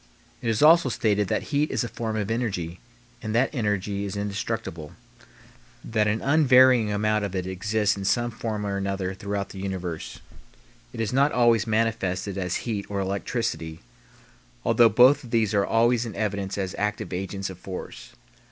It is also stated that heat is a form of energy, and that energy is indestructible, that an unvarying amount of it exists in some form or another throughout the universe. It is not always manifested as heat or electricity, although both of these are always in evidence as active agents of force.